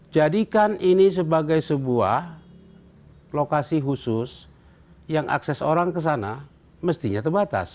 jadikan ini sebagai sebuah lokasi khusus yang akses orang ke sana mestinya terbatas